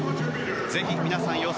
ぜひ皆さん予想